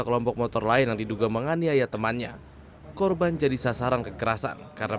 kelompok motor lain yang diduga menganiaya temannya korban jadi sasaran kekerasan karena